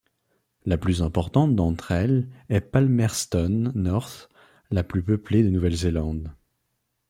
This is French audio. La plus importante d'entre elles est Palmerston North, la plus peuplée de Nouvelle-Zélande.